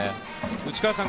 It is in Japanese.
内川さん